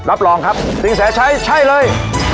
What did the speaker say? รับรองครับสิ่งแสดงใช่เลย